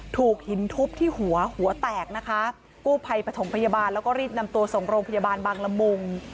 ถูกหินทุบที่หัวหัวแตกนะคะกู้ภัยปฐมพยาบาลแล้วก็รีบนำตัวส่งโรงพยาบาลบางละมุง